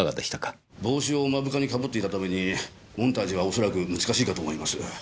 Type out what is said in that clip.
帽子を目深に被っていたためにモンタージュは恐らく難しいかと思います。